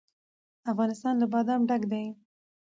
افغانستان له بادام ډک دی.